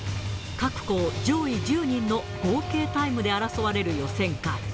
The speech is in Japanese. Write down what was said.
各校上位１０人の合計タイムで争われる予選会。